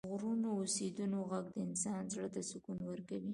د غرونو او سیندونو غږ د انسان زړه ته سکون ورکوي.